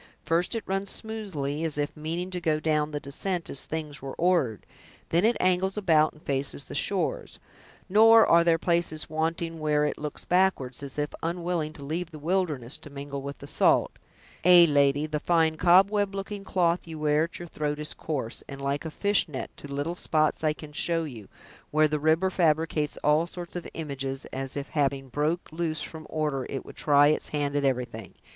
First it runs smoothly, as if meaning to go down the descent as things were ordered; then it angles about and faces the shores; nor are there places wanting where it looks backward, as if unwilling to leave the wilderness, to mingle with the salt. Ay, lady, the fine cobweb looking cloth you wear at your throat is coarse, and like a fishnet, to little spots I can show you, where the river fabricates all sorts of images, as if having broke loose from order, it would try its hand at everything.